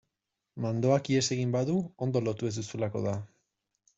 Mandoak ihes egin badu ondo lotu ez duzulako da.